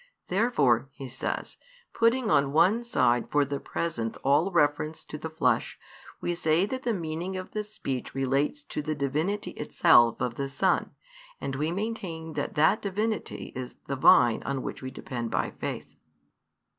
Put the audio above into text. Therefore," he says, "putting on one side for the present all reference to the flesh, we say that the meaning of the speech relates to the Divinity itself of the Son; and we maintain that that Divinity is the Vine on which we depend by faith."